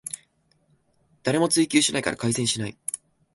誰も追及しないから改善しない